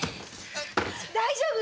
大丈夫？